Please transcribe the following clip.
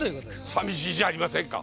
さみしいじゃありませんか。